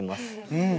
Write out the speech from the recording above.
うん！